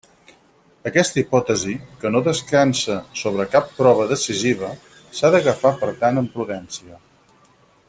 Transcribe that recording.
Aquesta hipòtesi, que no descansa sobre cap prova decisiva, s'ha d'agafar per tant amb prudència.